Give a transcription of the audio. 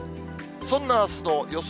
そんなあすの予想